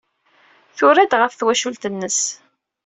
Tura-d ɣef twacult-nnes.